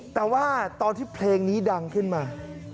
แต่ว่าตอนที่เพลงนี้ดังขึ้นมา